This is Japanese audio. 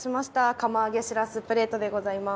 釜揚げしらすプレートでございます。